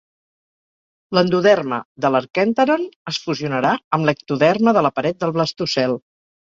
L'endoderma de l'arquènteron es fusionarà amb l'ectoderma de la pared del blastocel.